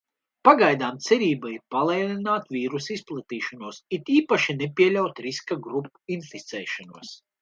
Pagaidām cerība ir palēnināt vīrusa izplatīšanos un it īpaši nepieļaut riska grupu inficēšanos.